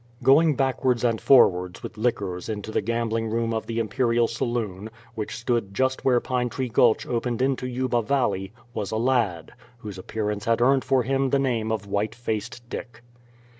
Going backwards and forwards with liquors into the gambling room of the Imperial Saloon, which stood just where Pine Tree Gulch opened into Yuba Valley, was a lad, whose appearance had earned for him the name of White Faced Dick.